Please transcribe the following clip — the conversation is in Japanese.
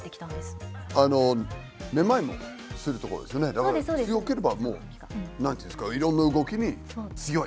だから強ければもう何て言うんですかいろんな動きに強い。